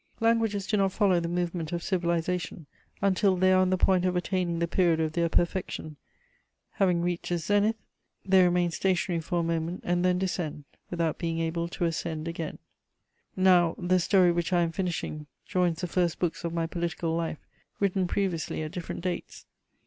Languages do not follow the movement of civilization until they are on the point of attaining the period of their perfection; having reached this zenith, they remain stationary for a moment, and then descend, without being able to ascend again. [Sidenote: Youth and age.] Now, the story which I am finishing joins the first books of my political life, written previously at different dates.